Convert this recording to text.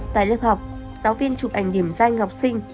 tại lớp học giáo viên chụp ảnh điểm danh học sinh